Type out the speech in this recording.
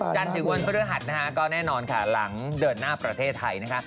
จันทร์ถึงวันพฤหัสนะคะก็แน่นอนค่ะหลังเดินหน้าประเทศไทยนะคะ